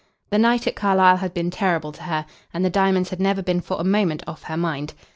The night at Carlisle had been terrible to her, and the diamonds had never been for a moment off her mind.